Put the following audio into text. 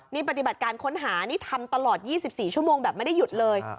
นี่ปฏิบัติการค้นหานี่ทำตลอด๒๔ชั่วโมงแบบไม่ได้หยุดเลย